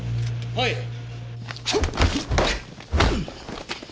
はい！